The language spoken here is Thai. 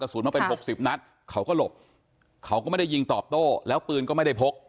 ศูนย์มาเป็นหกสิบนัดเขาก็หลบเขาก็ไม่ได้ยิงตอบโต้แล้วปืนก็ไม่ได้พก